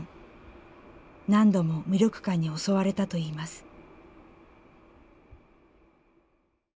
何度も無力感に襲われたといいます。